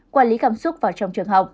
quản lý cảm xúc vào trong trường học